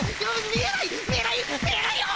見えないよ！